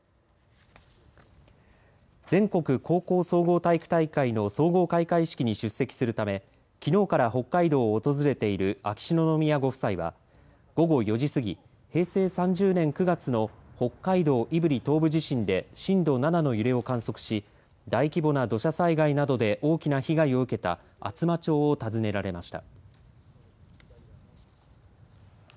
全国高校総合体育大会の総合開会式に出席するためきのうから北海道を訪れている秋篠宮ご夫妻は午後４時過ぎ平成３０年９月の北海道胆振東部地震で震度７の揺れを観測し大規模な土砂災害などで大きな被害を受けた厚真町を訪ねられました。